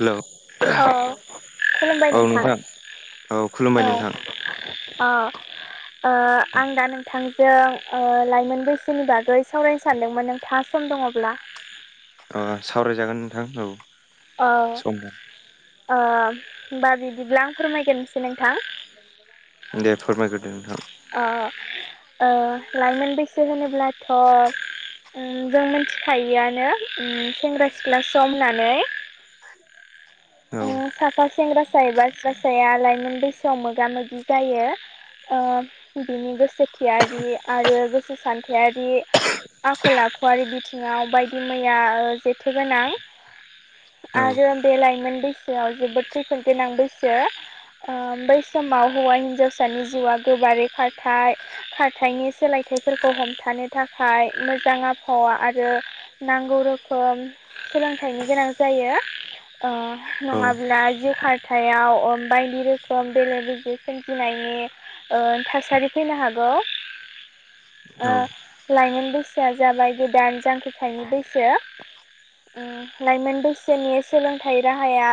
Hello औ खुलुमबाय नोंथां औ खुलुमबाय नोंथां औ। अ आं दा नोंथां। जों लाइमोन बैसोनि बागै सावरायनो सानदोंमोन नों था सम दङब्ला। अ सावरायजागोन नोंथां औ। औ सम दं होनोमबा बिदिब्ला आं फोरमायगोनोसै नोंथां। दे फोरमायगोरदो नोंथां। लाइमोन बैसो होनोब्लाथ' जों मिथिखायोआनो सेंग्रा सिख्ला सम होननानै। [inaudible] औ ओ साफा सेंग्रासा एबा सिख्लासाया लाइमोन बैसोआव मोगा मोगि जायो। बिनि गोसोथियारि आरो गोसो सान्थायारि आखल आखुआरि बिथिङाव बायदि मैया ओ जेथोगोनां। औ आरो बे लाइमोन बैसोआव जोबोद खैफोद गोनां बैसो। बै समाव हौवा हिन्जावसानि जिउआ गोबारै खारथाय खाारथायनि सोलायथायाइफोरखौ हमथानो थाखाय मोजां आबहावा आरो नांगौ रोखोम सोलोंथाइनि गोनां जायो ओ औ नङाब्ला जि हारथायाव बायदि रोखोम बेले बेजे सोमजिनायनि ओ थासारि फैनो हागौ। ओ औ लाइमोन बैसोआ जाबाय गोदान जांख्रिथायनि बैसो। ओ लाइमोन बैसोनि सोलोंथाइ राहाया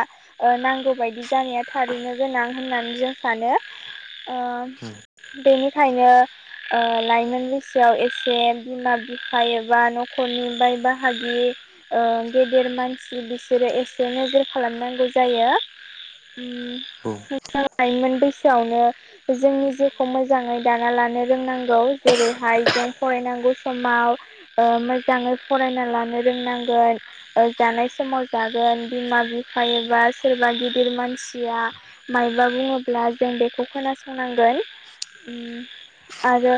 नांगौ बायदि जानाया थारैनो गोनां होननानै जों सानो। बेनिखायनो ओ लाइमोन बैसोआव एसे बिमा बिफा एबा न'खरनि बाय बाहागि ओ गेदेर मानसि बिसोरो एसे नोजोर खालामनांगौ जायो। उम औ मोजां लाइमोन बैसोयावनो जोंनि जिउखौ मोजाङै दाना लानो रोंनांगौ जेरैहाय जों फरायनांगौ समाव ओ मोजाङै फरायना लानो रोंनांगोन। ओ जानाय समाव जागोन बिमा बिफायो एबा सोरबा गिदिर मानसिया मायबा बुङोब्ला जों बेखौ खोनासंनांगोन आरो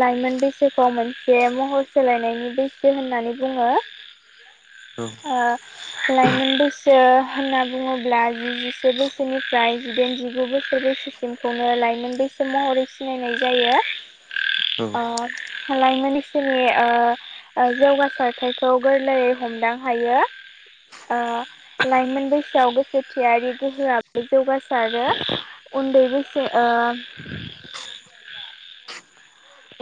लाइमोन बैसोखौ मोनसे महर सोलायनायनि बैसो होननानै बुङो। [inaudible] औ ओ लाइमोन बैसो होनना बुङोब्ला जि जिसे बैसोनिफ्राय जिदाइन जिगु बोसोर बैसोसिमखौनो लाइमोन बैस सो महरै सिनायनाय जायो ओ लाइमोन बैसोनि ओ जौगासारथायखौ गोरलैयै हमदां हायो ओ लाइमोन बैसोआव गोसोथियारि गोहोआबो जौगासारो। उन्दै बैसो ओ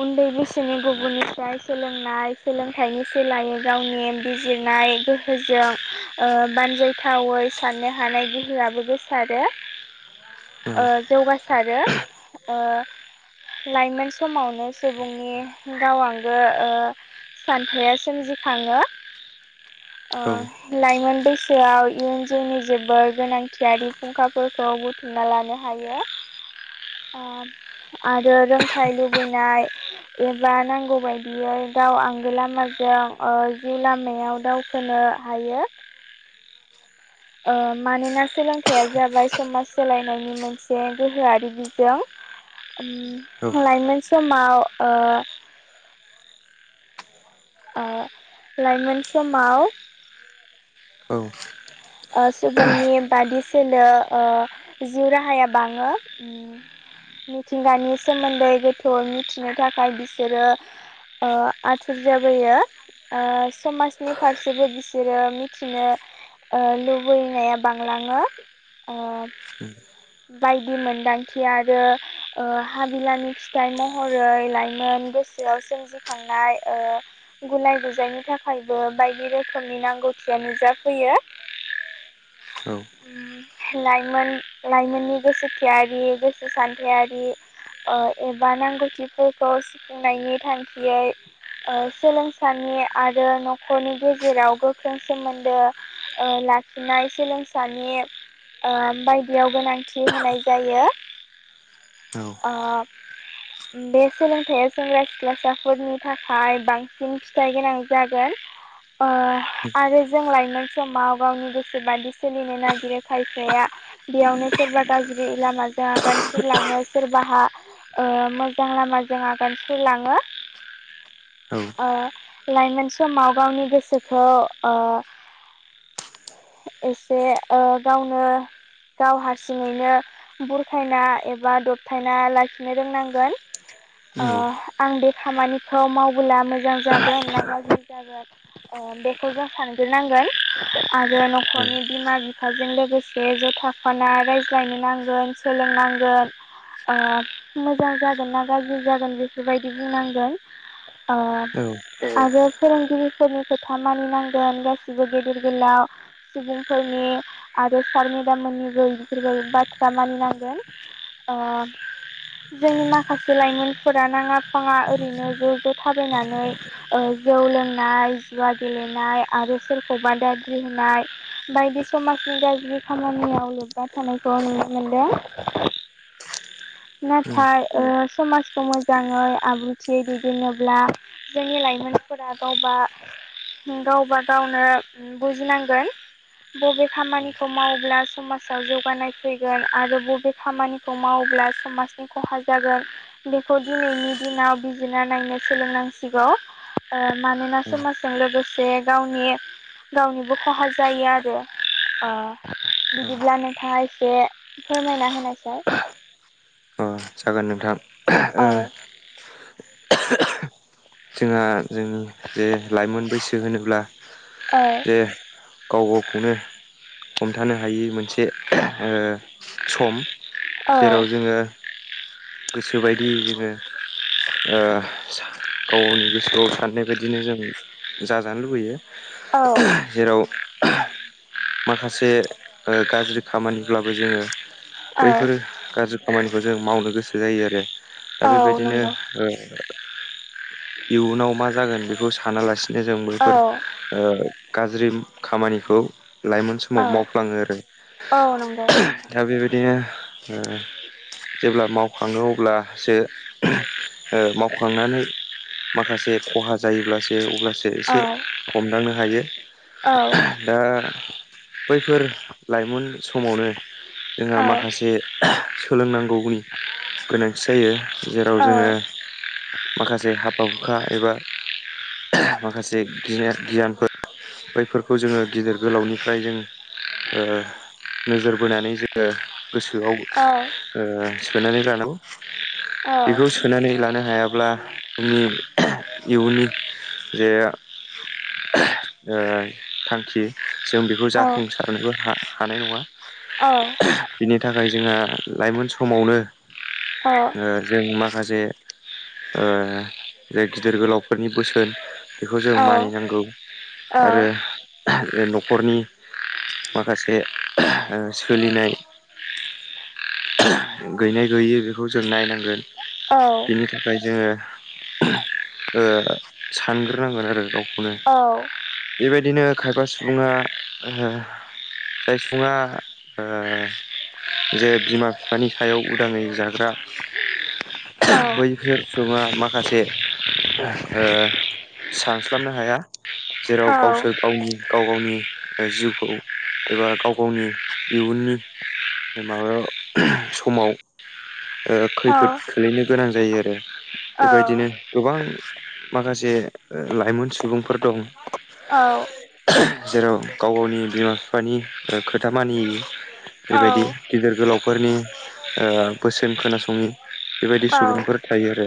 उन्दै बैसोनि गुबुननिफ्राय सोलोंनाय सोलोंथाइनि सोलायै गावनि बिजिरनाय गो फोरजों ओ बानजायथावै साननो हानाय गोहोआबो गोसारो। ओ जौगासारो ओ लाइमोन समावन नो सुबुंनि गाव आंगो ओ सानथाया सोमजिखाङो। ओ लाइमोन बैसोआव इयुन जिउनि जोबोर गोनांथियारि फुंखाफोरखौ बुथ उमना लानो हायो ओ आरो रोंथाय लुब बैनाय एबा नांगौ बायदियै दाउ आंगो लामाजों जिउ लामायाव दाउ खोनो हायो। ओ मानोना सोलोंथाइया जाबाय समाज सोलायनायनि मोनसे गोहोआरि बिजों उम लाइमोन समाव ओ। ओ लाइमोन समाव औ ओ सुबुंनि बादि सोलो ओ जिउ राहाया बाङो उम। मिथिंगानि सोमोन्दै गोथौ मिथिनो थाखाय बिसोरो ओ आथुर जाबोयो। ओ समाजनि फारसेबो बिसोरो मिथिनो ओ लुबैनाया बांलाङो ओ बायदि मोनदांथि आरो ओ हाबिलानि फिथाइ महरै लाइमोन गोसोआव सोमजि सोमजि खांनाय ओ गुलाय गुजायनि थाखायबो बायदि रोखोमनि नांगौथिया नुजाफैयो। औ उम लाइमोन-लाइमोननि गोसोथियारि गोसो सान्थायारि ओ एबा नांगौथिफोरखौ सफुंनायनि थांखियै ओ सोलोंसानि आरो न'खरनि गेजेराव गोख्रों सोमोन्दो ओ लाखिनाय सोलोंसानि ओ बायदियाव गोनांथि होनाय जायो। औ ओ बे सोलोंथाइया सेंग्रा सिख्लासाफोरनि थाखाय बांसिन फिथाइ गोनां जागोन। ओ आरो जों लाइमोन समाव गावनि गोसोबादि सोलिनो नागिरो खायफाया। बेयावनो सोरबा गाज्रि लामाजों आगान सुरलाङो सोरबाहा मोजां लामाजों आगान सुरलाङो। ओ लाइमोन समाव गावनि गोसोखौ ओ एसे ओ गावनो गाव हारसिङैनो बुरखायना एबा दबथायना लाखिनो रोंनांगोन। ओ आं बे खामानिखौ मावबोला मोजां जागोन ना गाज्रि जागोन। ओ बेखौ जों सानग्रोनांगोन। आरो न'खरनि बिमा बिफाजों लोगोसे ज' थाफाना रायज्लायनो नांगोन। सोलोंनांगोन ओ मोजां जागोन ना गाज्रि जागोन बेफोरबायदि बुंनांगोन ओ आरो फोरोंगिरिफोरनि खोथा मानिनांगोन गासिबो बि फिर गलााव [unintelligible] सुबुंफोरनि आरो सार मेडाम मोननिबोबो बाथ्रा मानिनांगोन ओ जोंनि माखासे लाइमोनफोरा नाङा फाङा ओरैनो ज' ज' थाबायनानै ओ जौ लोंनाय जुवा गेलेनाय आरो सोरखौबा दाद्रि होनाय बायदि समाजनि गाज्रि खामानियाव लोब्बा थानायखौ नुनो मोनदों [inaudible] नाथाय ओ समाजखौ मोजाङै आब्रुथियै दैदेनोब्ला जोंनि लाइमोनफोरा गावबा - गावबा गावनो बुजिनांगोन बबे खामानिखौ मावब्ला समाजाव जौगानाय फैगोन आरो बबे खामानि खौ मावोब्ला समाजनि खहा जागोन बेखौ दिनैनि दिनाव बिजिरना नायनो सोलोंनांसिगौ ओ मानोना समाजजों लोगोसे गावनि गावनिबो खहा जायो आरो ओ बिदिब्ला नोंथाङा एसे फोरमायना होनाय सार अ जागोन नोंथां औ जोंहा जोंनि जे लाइमोन बैसो होनोब्ला औ जे गाव गावखौनो हमथानो हायि मोनसे ओ सम औ जेराव जोङो गोसोबायदि जोङो ओ गाव-गावनि गोसोआव साननाय बायदिनो जों जाजानो लुबैयो औ जेराव माखासे ओ गाज्रि खामानिब्लाबो जोङो औ बैफोर गाज्रि खामानिखौ जों मावनो गोसो जायो आरो दा औ बेबायदिनो नंगौ ओ इयुनाव मा जागोन बेखौ सानालासिनो जों बैफोर औ ओ गाज्रि खामानिखौ लाइमोन औ समाव मावफ्लाङो आरो औ नंगौ नोंथां दा बेबायदिनो ओ जेब्ला मावखाङो अब्लासो ओ मावखांनानै माखासे खहा जायोब्लासो अब्लासो एसे औ हमदांनो हायो औ दा बैफोर लाइमोन समावनो जोंहा औ माखासे सोलोंनांगौनि गोनांथि जायो जेराव जोङो औ माखासे हाबा हुखा एबा माखासे गियानफोर बैफोरखौ जोङो गिदिर गोलावनि फ्राय जों ओ नोजोर बोनानै जोङो गोसोआव औ ओ सोनानै लानांगौ बेखौ औ सोनानै लानो हायाब्ला जोंनि इयनि जे थांखि जों बेखौ जाफुंसारनोबो ह हानाय नङा औ बिनि थाखाय जोंहा लाइमोन समावनो अ जों माखासे जे गिदिर गोलावफोरनि बोसोन बेखौ जों मानिनांगौ आरो हरनि माखासे सोलिनाय गैनाय गैयि बेखौ जों नायनांगोन बिनि थाखाय जोङो ओ सानग्रोनांगोन आरो गावखौनो बेबायदिनो खायफा सु सुबुङा ओ जाय सुबुङा ओ जे बिमा-बिफानि सायाव उदाङै जाग्रा बैसोर सुबुङा माखासे ओ सानस्लाबनो हाया जेराव गावसोर गावनि गाव गावनि ओ जिउखौ एबा गाव गावनि इयुननि माबा समाव ओ खैफोद खोलैनो गोनां जायो आरो बेबायदिनो गोबां माखासे लाइमोन सुबुंफोर दं। औ जेराव गाव गावनि बिमा-बिफानि ओ खोथा मानियो बेबायदि गिदिर गोलावफोरनि ओ बोसोन खोनासङि बेबायदि सुबुंफोर थायो आरो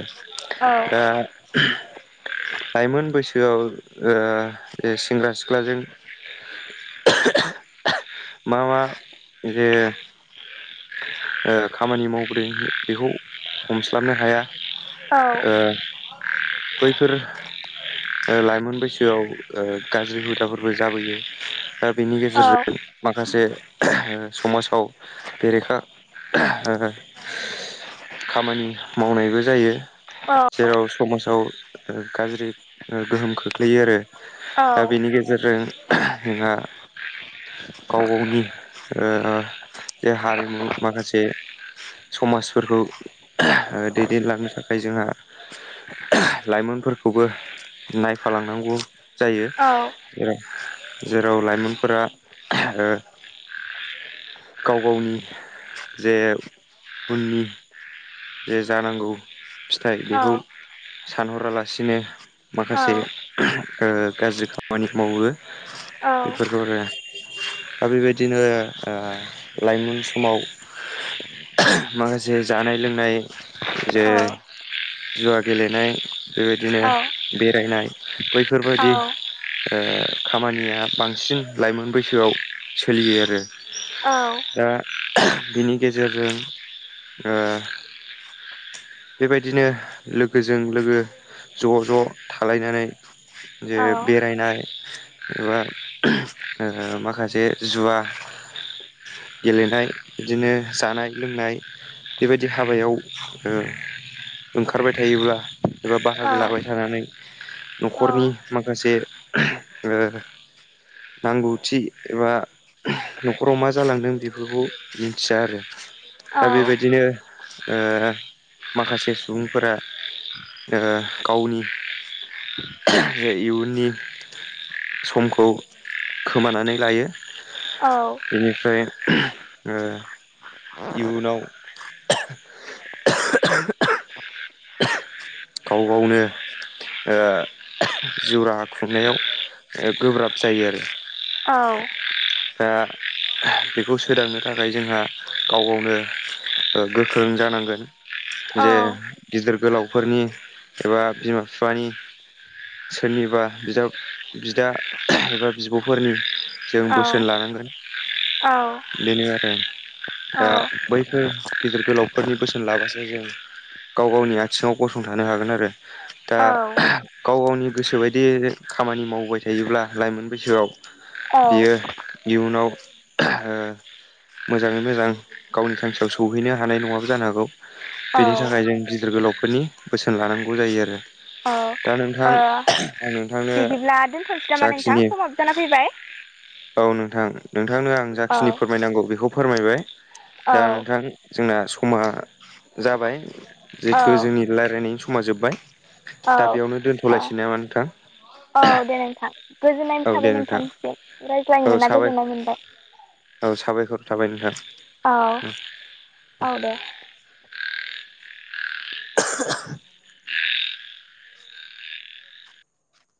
दा लाइमोन बैसोआव ओ सेंग्रा सि ख्लाजों मा मा जे ओ खामानि मावबोदों बेखौ हमस्लाबनो हाया ओ बैफोर ओ लाइमोन बैसोआव ओ गाज्रि हुदा हुदाफोरबो जाबोयो दा बेनि गेजेरजों माखासे समाजाव बेरेखा खामानि मावनायबो जायो। जेराव समाजाव गाज्रि गोहोम खोख्लैयो आरो दा बेनि गेजेरजों जोंहा गाव गावनि ओ जे हारिमु माखासे समाजफोरखौ ओ दैदेनलांनो थाखाय जोंहा लाइमोनफोरखौबो नायफालांनांगौ जायो जेर जेराव लाइमोनफोरा ओ गाव गावनि जे उननि जे जानांगौ फिथाइ बेखौ सानहरालासिनो माखासे ओ गाज्रि खामानि मावो बेफोरखौनो दा बेबायदिनो ओ लाइमोन समाव माखासे जानाय लोंनाय जे जुवा गेलेनाय बेबायदिनो बेरायनाय बैफोर बायादि खामानिया बांसिन लाइमोन बैसोआव सोलियो आरो औ दा बिनि गेजेरजों बेबायदिनो लोगोजों लोगो ज' ज' थालायनानै जे बेरायनाय एबा ओ माखासे जुवा गेलेनाय बिदिनो जानाय लोंनाय बेबायदि हाबायाव ओ ओंखारबाय थायोब्ला एबा बाहागो लाबाय थानानै न'खरनि माखासे ओ नांगौथि एबा न'खराव मा जालांदों बेफोरखौ मिन्थिया आरो दा बेबायदिनो ओ माखासे सुबुंफोरा ओ गावनि जे इयुननि समखौ खोमानानै लायो। औ बेनिफ्राय ओ इयुनाव [unintelligible] गाव गावनो ओ जिउ राहा खुंनायाव ओ गोब्राब जायो आरो। औ दा बेखौ सोदांनो थाखाय जोंहा गाव गावनो ओ गोख्रों जानांगोन। जे गिदिर गोलावफोरनि एबा बिमा बिफानि सोरनिबा बिदा बिदा एबा बिब'फोरनि जों बोसोन लानांगोन। औ बेनो आरो, दा बैफोर गिदिर गोलावफोरनि बोसोन लाबासो जों गाव गावनि आथिङाव गसंथानो हागोन आरो। दा गाव गावनि गोसोबायदि खामानि मावबाय थायोब्ला लाइमोन बैसोआव बियो इयुनाव ओ मोजाङै मोजां गावनि थांखियाव सौहैनो हानाय नङाबो जानो हागौ। बेनि थाखाय जों गिदिर गोलावफोरनि बोसोन लानांगौ जायो आरो। दा नोंथां आं नोंथांनो बिदिब्ला दोनथ'नोसै नामा नोंथां, जाखिनि समाबो जाना फैबाय। औ नोंथां। नोंथांनो आं औ जाखिनि फोरमायनांगौ बेखौ फोरमायबाय। औ दा नोंथां जोंना समा जाबाय। जिहेतु औ जोंनि रायलायनायनि समा जोबबाय। दा बेयावनो औ दोनथ'लायसै नामा नोंथां? औ दे नोंथां। गोजोननाय औ दे थाबाय नोंथां नोंथांनिसिम रायज्लायनो औ मोना साबाय गोजोननाय मोनबाय। औ साबायखर थाबाय नोंथां। औ औ दे। [unintelligible]